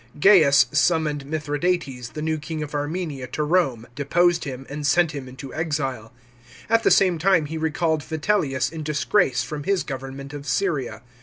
Gaius summoned Mithradates, the new king of Armenia, to Rome, deposed him, and sent him into exile. At the same time he recalled Vitellius in disgrace from his government of Syria.